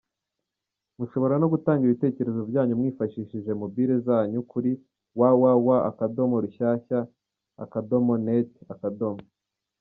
Mushobora no gutanga ibitekerezo byanyu mwifashishije mobile zanyu kuri www.rushyashya.net.